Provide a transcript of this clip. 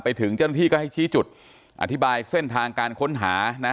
ถึงเจ้าหน้าที่ก็ให้ชี้จุดอธิบายเส้นทางการค้นหานะ